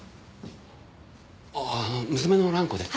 ああ娘の蘭子です。